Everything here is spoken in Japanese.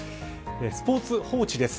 スポーツ報知です。